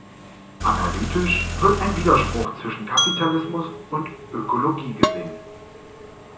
Analytisch wird ein Widerspruch zwischen Kapitalismus und Ökologie gesehen.